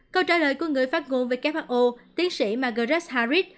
câu trả lời của người phát ngôn who tiến sĩ margaret harris